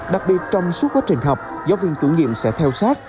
đặc biệt trong suốt quá trình học giáo viên chủ nhiệm sẽ theo sát